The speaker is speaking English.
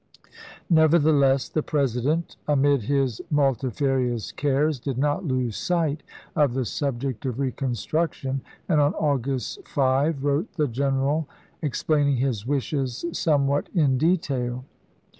Nevertheless, the President, amid his multifarious cares, did not lose sight of the subject of reconstruction, and on August 5 wrote the gen isea. eral explaining his wishes somewhat in detail.